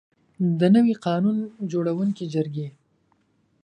د نوي قانون جوړوونکي جرګې.